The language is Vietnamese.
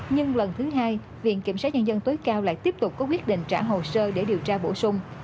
nhưng lần thứ hai viện kiểm soát nhân dân tối cao lại tiếp tục có quyết định trả hồ sơ để điều tra bổ sung